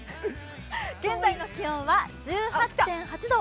現在の気温は１８．８度。